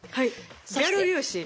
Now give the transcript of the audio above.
ギャル粒子。